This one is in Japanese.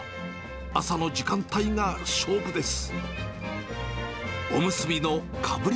朝の時間帯が勝負です。